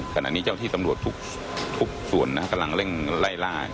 ขณะนี้เจ้าที่สำรวจทุกส่วนกำลังเร่งไล่ล่า